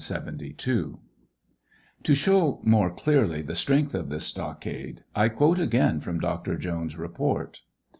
] To show more clearly the strength of this stockade, I quote again from Dr. Jones's report.